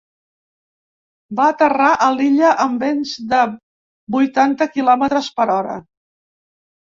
Va aterrar a l’illa amb vents de vuitanta quilòmetres per hora.